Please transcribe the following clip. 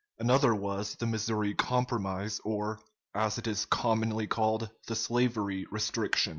Another was the Missouri Compromise, or, as it is commonly called, the Slavery Restriction.